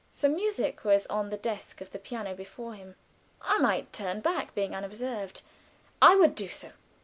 Some music was on the desk of the piano before him. I might turn back without being observed. I would do so.